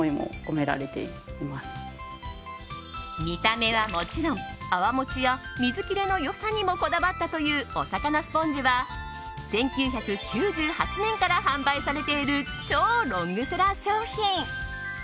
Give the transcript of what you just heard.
見た目はもちろん泡持ちや水切れの良さにもこだわったというおさかなスポンジは１９９８年から販売されている超ロングセラー商品。